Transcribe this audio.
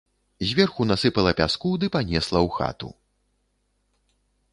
Зверху насыпала пяску ды панесла ў хату.